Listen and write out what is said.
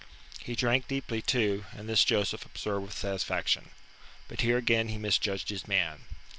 He drank deeply too, and this Joseph observed with satisfaction. But here again he misjudged his man.